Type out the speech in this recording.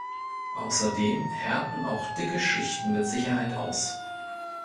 Außerdem härten auch dicke Schichten mit Sicherheit aus.